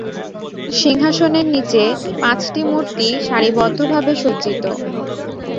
সিংহাসনের নিচে পাঁচটি মূর্তি সারিবদ্ধ ভাবে সজ্জিত।